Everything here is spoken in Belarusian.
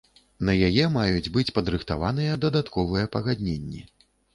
На яе маюць быць падрыхтаваныя дадатковыя пагадненні.